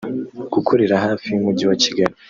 gukorera hafi y’umujyi wa Kigali